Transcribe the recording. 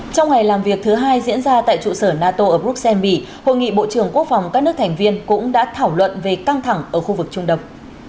trong ngày làm việc thứ hai diễn ra tại trụ sở nato ở bruxelles mỹ hội nghị bộ trưởng quốc phòng các nước thành viên cũng đã thảo luận về căng thẳng ở khu vực trung đông